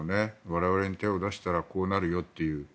我々に手を出したらこうなるよという。